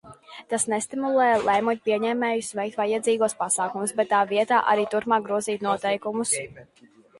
Tas nestimulē lēmumpieņēmējus veikt vajadzīgos pasākumus, bet tā vietā arī turpmāk grozīt noteikumus.